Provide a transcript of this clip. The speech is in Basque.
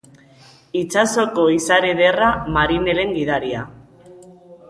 Itsasoko izar ederra, marinelen gidaria.